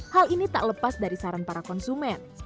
hal ini tak lepas dari saran para konsumen